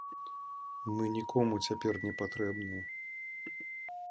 Мы нікому цяпер непатрэбныя.